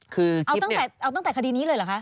คือคลิปเนี่ยเอาตั้งแต่คดีนี้เลยเหรอคะ